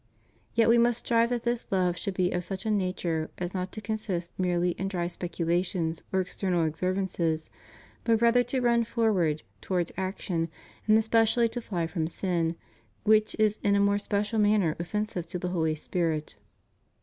Yet we must strive that this love should be of such a nature as not to consist merely in dry speculations or external observances, but rather to run forward towards action, and especially to fly from sin, which is in a more special manner offensive to the Holy Spirit.